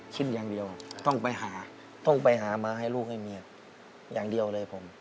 คิดอย่างเดียวต้องไปหาต้องไปหามาให้ลูกให้เมียอย่างเดียวเลยผม